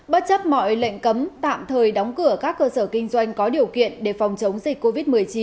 bất chấp mọi lệnh cấm tạm thời đóng cửa các cơ sở kinh doanh có điều kiện để phòng chống dịch covid một mươi chín